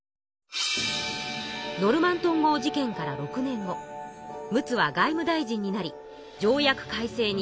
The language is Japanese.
ノルマントン号事件から６年後陸奥は外務大臣になり条約改正に挑みます。